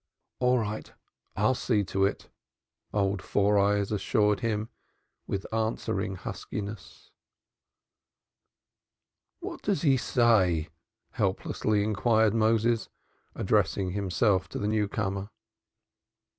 "All right. I'll see to it," old Four Eyes assured him with answering huskiness. "What says he?" helplessly inquired Moses, addressing himself to the newcomer.